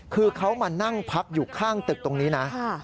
คือเขามานั่งพักอยู่ข้างตึกตรงนี้นะ